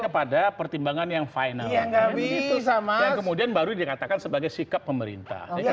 kepada pertimbangan yang final yang kemudian baru dikatakan sebagai sikap pemerintah